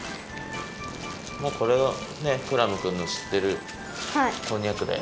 もうこれがクラムくんのしってるこんにゃくだよ。